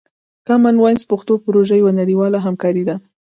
کامن وایس پښتو پروژه یوه نړیواله همکاري ده.